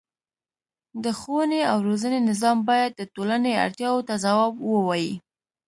د ښوونې او روزنې نظام باید د ټولنې اړتیاوو ته ځواب ووايي.